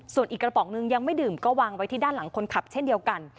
ส่วนอีกกระป๋องนึงยังไม่ดื่มก็วางไว้ที่ด้านหลังคนขับเช่นเดียวกัน